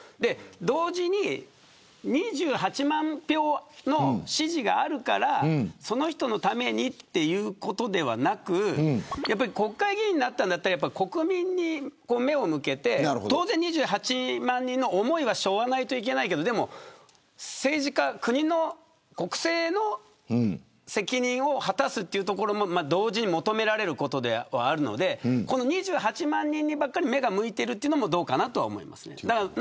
同時に２８万票の支持があるからその人のためにということではなく国会議員になったんだったら国民に目を向けて当然２８万人の思いは背負わないといけないけど国政の責任を果たすというところも同時に求められることではあるので２８万人にばかり目が向いているのもどうかと思います。